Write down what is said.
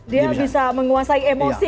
dia bisa menguasai emosi